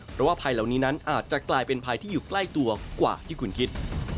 เพราะว่าภัยเหล่านี้นั้นอาจจะกลายเป็นภัยที่อยู่ใกล้ตัวกว่าที่คุณคิด